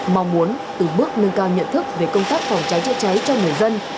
mong muốn từ bước nâng cao nhận thức về công tác phòng cháy cháy cháy cho người dân